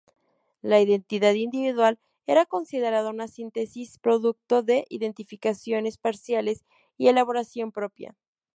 La identidad individual era considerada una síntesis producto de identificaciones parciales y elaboración propia.